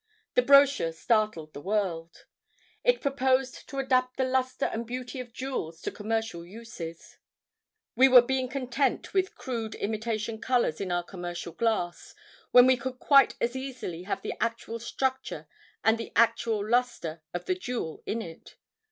The brochure startled the world. It proposed to adapt the luster and beauty of jewels to commercial uses. We were being content with crude imitation colors in our commercial glass, when we could quite as easily have the actual structure and the actual luster of the jewel in it.